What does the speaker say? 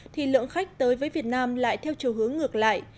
thì lượng khách tới với việt nam lại theo chiều hướng ngược lại